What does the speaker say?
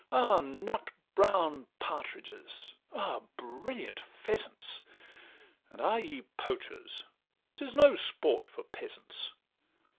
Ah, nut brown partridges! Ah, brilliant pheasants! And ah, ye poachers! 'T is no sport for peasants.